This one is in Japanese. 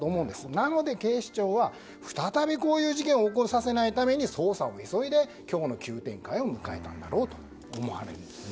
なので警視庁は再びこういう事件を起こさせないために捜査を急いで今日の急展開に至ったと思われますね。